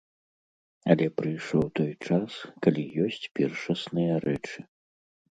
Але прыйшоў той час, калі ёсць першасныя рэчы.